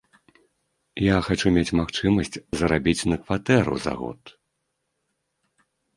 Я хачу мець магчымасць зарабіць на кватэру за год.